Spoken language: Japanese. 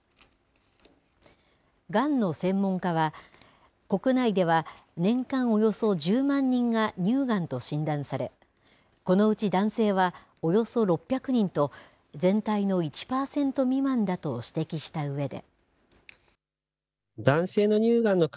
がんの専門家は、国内では、年間およそ１０万人が乳がんと診断され、このうち男性はおよそ６００人と、全体の１％未満だと指摘したうえで。